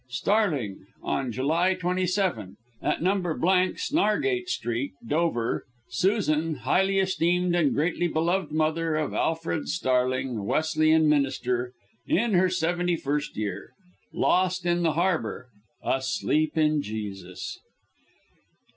STARLING. On July 27, at No. Snargate Street, Dover, Susan, highly esteemed and greatly beloved mother of Alfred Starling, Wesleyan Minister, in her 71st year. Lost in the harbour. Asleep in Jesus.